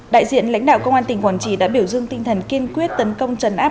đại diện lãnh đạo công an tỉnh quảng trị đã biểu dương tinh thần kiên quyết tấn công trần áp